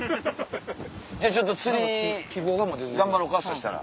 じゃあちょっと釣り頑張ろうかそしたら。